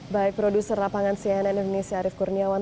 baik produser lapangan cnn indonesia arief kurniawan